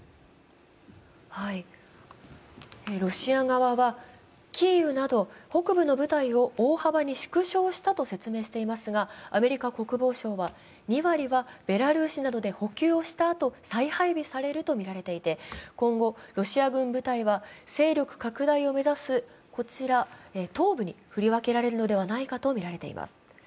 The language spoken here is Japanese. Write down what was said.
ロシア側はキーウなど北部の部隊を大幅に縮小したと説明していますが、アメリカ国防省は２割はベラルーシなどで補給をしたあと、再配備されるとみていて、今後、ロシア軍部隊は勢力拡大を目指すこちら、東部に振り分けられるのではないかとみられています。